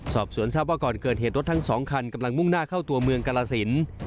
สอบสวนทราบว่าก่อนเกิดเหตุรถทั้งสองคันกำลังมุ่งหน้าเข้าตัวเมืองกรสิน